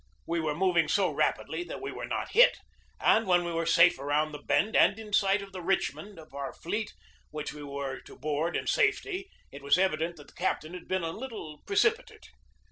We were moving so rapidly that we were not hit, and when we were safe around the bend and in sight of the Richmond of our fleet, which we were to board in safety, it was evident that the captain had been a little precipitate.